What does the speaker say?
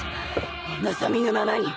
お望みのままに。